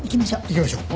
行きましょう。